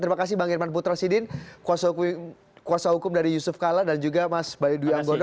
terima kasih bang irman putra sidin kuasa hukum dari yusuf kala dan juga mas bayu dwi anggondo